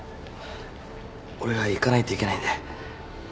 俺が行かないといけないんで。